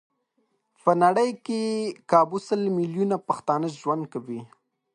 په نړۍ کې کابو سل ميليونه پښتانه ژوند کوي.